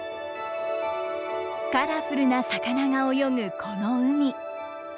カラフルな魚が泳ぐこの海。